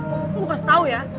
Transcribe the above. eh lo harus tau ya